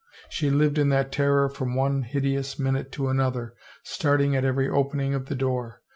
She lived in that terror from one hide ous minute to another, starting at every opening of the door.